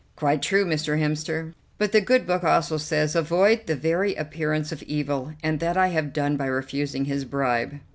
"Quite true, Mr. Hemster, but the good Book also says, 'Avoid the very appearance of evil,' and that I have done by refusing his bribe."